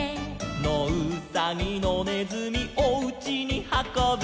「のうさぎのねずみおうちにはこぶ」